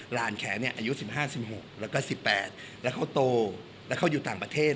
หลานแขเนี้ยอายุสิบห้าสิบหกแล้วก็สิบแปดแล้วเขาโตแล้วเขาอยู่ต่างประเทศ